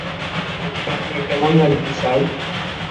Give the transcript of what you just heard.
আজকে আপনার কেমন লাগছে, স্যার?